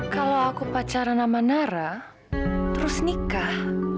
kalau aku pacaran sama nara terus nikah